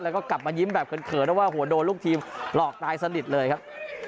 แล้วก็กลับมายิ้มแบบเขินเพราะว่าหัวโดนลูกทีมหลอกตายสนิทเลยครับ